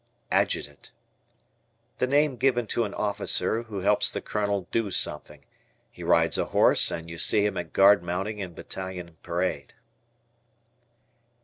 Adjutant. The name given to an officer who helps the Colonel do nothing. He rides a horse and you see him at guard mounting and battalion parade.